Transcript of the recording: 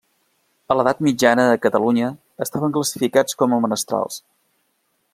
A l'edat mitjana, a Catalunya, estaven classificats com a menestrals.